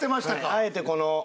あえてこの。